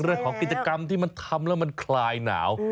เรื่องของกิจกรรมที่มันทำแล้วมันคลายหนาว